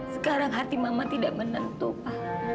sekarang hati mama tidak menentu pak